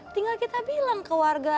tinggal kita bilang ke warga